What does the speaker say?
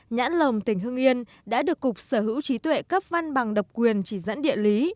nhãn lồng tỉnh hưng yên đã được cục sở hữu trí tuệ cấp văn bằng độc quyền chỉ dẫn địa lý